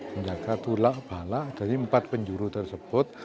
menjaga tolak balak dari empat penjuru tersebut